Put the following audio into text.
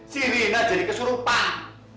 si rina jadi kesurupan